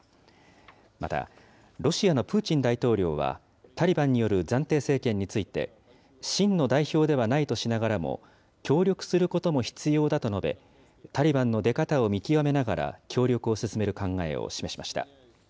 また、ロシアのプーチン大統領は、タリバンによる暫定政権について、真の代表ではないとしながらも、協力することも必要だと述べ、タリバンの出方を見極めながら協力を進める考えを示しました。